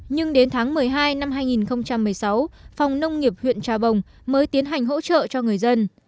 nhưng đến tháng một mươi hai năm hai nghìn một mươi sáu phòng nông nghiệp huyện trà bồng mới tiến hành hỗ trợ cho người dân